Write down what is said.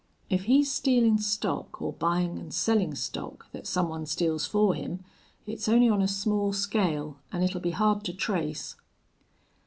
If he's stealin' stock or buyin' an' sellin' stock that some one steals for him, it's only on a small scale, an' it'll be hard to trace."